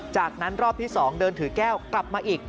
จากนั้นรอบที่๒เดินถือแก้วกลับมาอีก